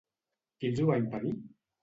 Qui els ho va impedir?